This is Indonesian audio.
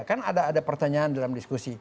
kan ada pertanyaan dalam diskusi